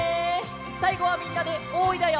さいごはみんなで「おーい」だよ！